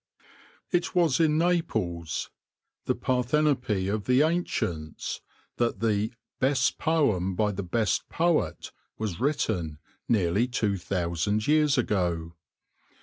IT was in Naples — the Parthenope of the Ancients — that the " best poem by the best poet " was written, nearly two thousand years ago.